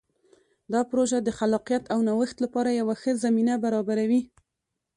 دا پروژه د خلاقیت او نوښت لپاره یوه ښه زمینه برابروي.